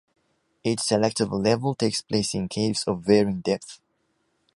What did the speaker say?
Each selectable level takes place in caves of varying depth.